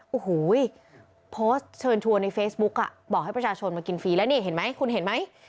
โอ้โหโพสต์เชิญชวนในเฟซบุ๊กอ่ะบอกให้ประชาชนมากินฟรีแล้วนี่เห็นไหมคุณเห็นไหม